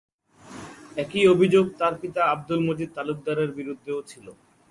একই অভিযোগ তার পিতা আব্দুল মজিদ তালুকদারের বিরুদ্ধেও ছিল।